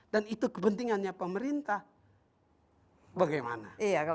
dan itu kepentingannya pemerintah bagaimana